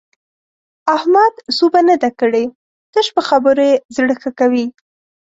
احمد سوبه نه ده کړې؛ تش په خبرو يې زړه ښه کوي.